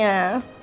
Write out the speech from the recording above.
yaudah kalau gitu